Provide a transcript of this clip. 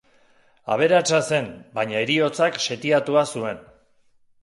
Aberatsa zen, baina heriotzak setiatua zuen.